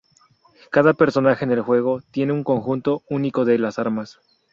Cada personaje en el juego tiene un conjunto único de las armas.